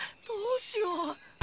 どうしよう。